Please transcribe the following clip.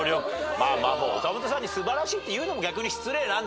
まあまあ岡本さんに素晴らしいって言うのも逆に失礼なんですけれどもね。